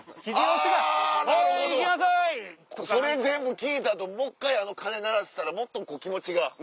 それ全部聞いた後もう１回あの鐘鳴らしたらもっとこう気持ちが。